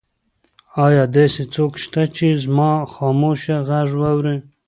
ایا داسې څوک شته چې زما خاموشه غږ واوري؟